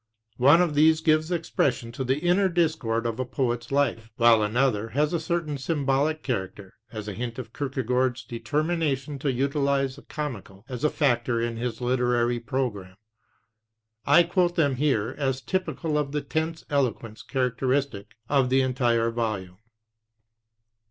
One of these gives expression to the inner discord of a poet's life, while another has a certain symbolic character, as a hint of Kierkegaard's determination to utilize the comical as a factor in his literary program. I quote them here as typical of the tense eloquence characteristic of the entire volume.